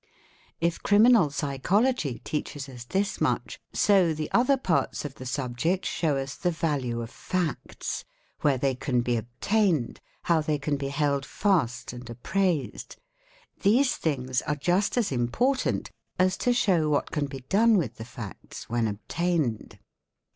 If Criminal Psychology teaches us this much, so the other parts of the subject show us the value of facts, where they can be obtained, how they can be held fast and appraised—these things are just as important as to show what can be done with the facts when obtained.